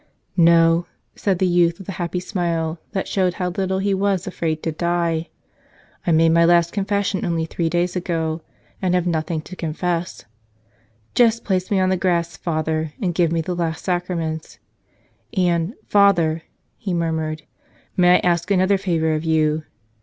"No," said the youth with a happy smile that showed how little he was afraid to die. "I made my last con¬ fession only three days ago and have nothing to con¬ fess. Just place me on the grass, Father, and give me the Last Sacraments. And, Father," he murmured, "may I ask another favor of you?